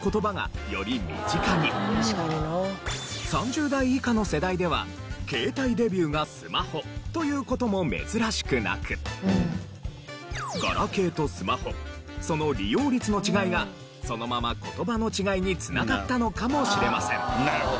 現在３０代以下の世代では携帯デビューがスマホという事も珍しくなくガラケーとスマホその利用率の違いがそのまま言葉の違いに繋がったのかもしれません。